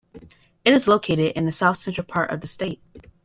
It is located in the South Central part of the state.